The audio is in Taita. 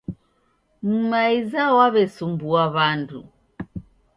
Mumaiza wawesumbua wandu